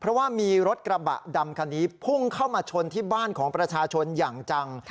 เพราะว่ามีรถกระบะดำคันนี้พุ่งเข้ามาชนที่บ้านของประชาชนอย่างจัง